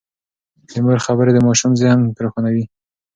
د مور خبرې د ماشوم ذهن روښانوي.